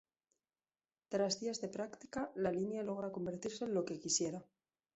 Tras días de práctica, la línea logra convertirse en lo que quisiera.